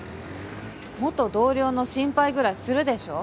元同僚の心配ぐらいするでしょ。